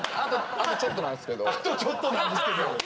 「あとちょっとなんですけど」。